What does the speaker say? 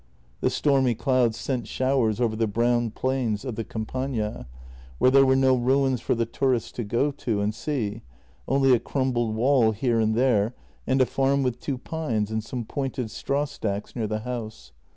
The stonny clouds sent showers over the brown plains of the Campagna, where there were no ruins for the tourists to go and see, only a crumbled wall here and there and a farm with two pines and some pointed straw stacks near the house.